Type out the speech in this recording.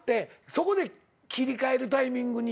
そこで切り替えるタイミングに。